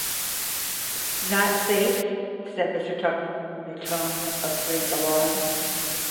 'Not safe?’ said Mr. Tupman, in a tone of great alarm.